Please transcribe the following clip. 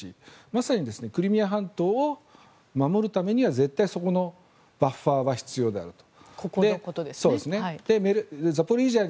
まさにクリミア半島を守るためには絶対にそこのバッファーは必要であると。